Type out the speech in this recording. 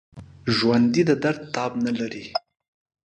ژوندي د درد تاب لري